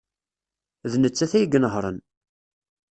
D nettat ay inehhṛen.